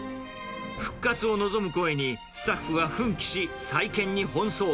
復活を望む声にスタッフは奮起し、再建に奔走。